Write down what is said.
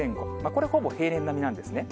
これはほぼ平年並みなんですね。